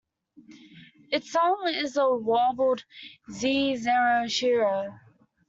Its song is a warbled "zee-zeree-chereeo".